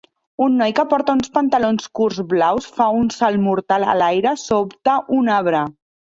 Un noi que porta uns pantalons curts blaus fa un salt mortal a l'aire sota un arbre.